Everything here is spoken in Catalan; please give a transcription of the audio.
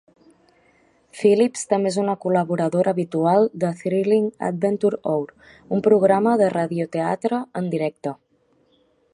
Philipps també és una col·laboradora habitual de "Thrilling Adventure Hour", un programa de radioteatre en directe.